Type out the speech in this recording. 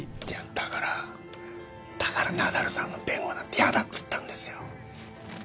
だからだからナダルさんの弁護なんてヤダっつったんですよ。